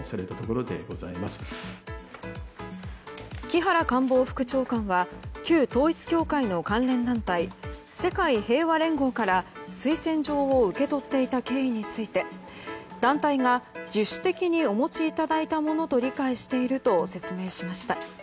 木原官房副長官は旧統一教会の関連団体世界平和連合から推薦状を受け取っていた経緯について団体が自主的にお持ちいただいたものと理解していると説明しました。